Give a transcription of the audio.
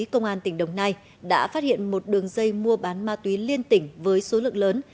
công an tỉnh đồng nai đã phát hiện một đường dây mua bán ma túy liên tỉnh với số lượng lớn